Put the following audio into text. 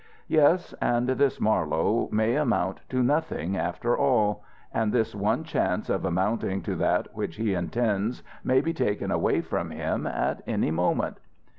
Yes, and this Marlowe may amount to nothing, after all: and his one chance of amounting to that which he intends may be taken away from him at any moment!"